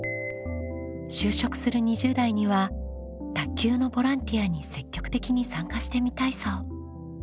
就職する２０代には卓球のボランティアに積極的に参加してみたいそう。